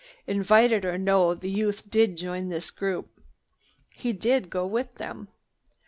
Invited or no, the youth did join this group. He did go with them.